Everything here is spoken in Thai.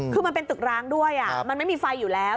คือมันเป็นตึกร้างด้วยมันไม่มีไฟอยู่แล้ว